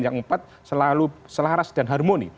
yang empat selalu selaras dan harmoni